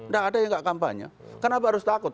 gak ada yang gak kampanye kenapa harus takut